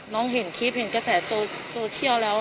เห็นคลิปเห็นกระแสโซเชียลแล้ว